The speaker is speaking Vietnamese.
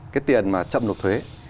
cái tiền mà chấp nộp thuế